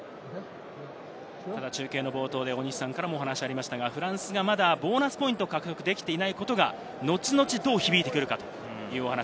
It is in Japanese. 中継の冒頭で、大西さんからお話がありましたが、フランスがまだボーナスポイントが獲得できていないことが、後々、どう響いてくるか。